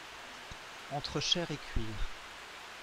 Entre chair et cuir.